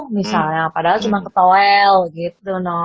misalnya padahal cuma ketuel gitu no